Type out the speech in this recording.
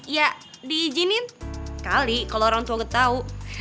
ya diijinin kali kalo orang tua tau